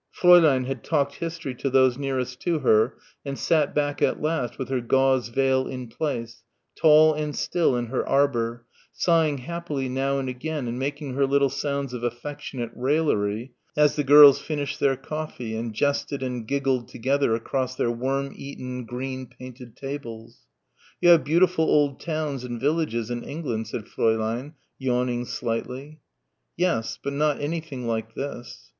Fräulein had talked history to those nearest to her and sat back at last with her gauze veil in place, tall and still in her arbour, sighing happily now and again and making her little sounds of affectionate raillery as the girls finished their coffee and jested and giggled together across their worm eaten, green painted tables. "You have beautiful old towns and villages in England," said Fräulein, yawning slightly. "Yes but not anything like this."